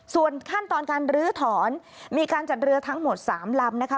ส่วนขั้นตอนการลื้อถอนมีการจัดเรือทั้งหมด๓ลำนะคะ